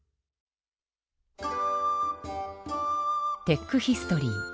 テックヒストリー。